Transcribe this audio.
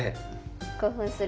興奮する。